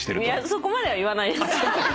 そこまでは言わない。